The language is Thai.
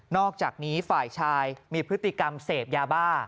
อกจากนี้ฝ่ายชายมีพฤติกรรมเสพยาบ้า